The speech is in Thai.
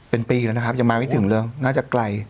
เป็นปีแล้วนะครับยังมาไม่ถึงเรื่องน่าจะไกล